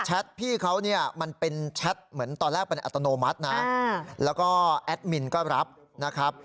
พี่เขาเนี่ยมันเป็นแชทเหมือนตอนแรกเป็นอัตโนมัตินะแล้วก็แอดมินก็รับนะครับ